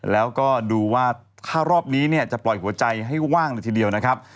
แล้วก็ดูว่าถ้ารอบนี้เนี่ยจะปล่อยหัวใจให้ว่างเลยทีเดียวนะครับ